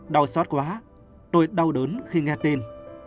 đau xót quá tôi đau đớn khi nghe tin